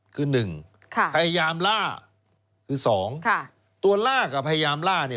คือหนึ่งพยายามล่าคือสองตัวล่ากับพยายามล่าเนี่ย